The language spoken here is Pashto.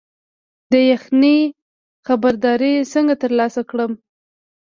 د یخنۍ خبرداری څنګه ترلاسه کړم؟